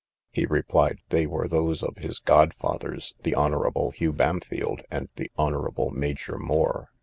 He replied, they were those of his godfathers, the Honourable Hugh Bampfylde, and the Honourable Major Moore.